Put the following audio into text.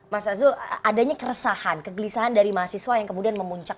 mas azul adanya keresahan kegelisahan dari mahasiswa yang kemudian memuncak